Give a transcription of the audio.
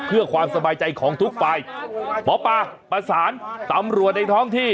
เพื่อความสบายใจของทุกฝ่ายหมอปลาประสานตำรวจในท้องที่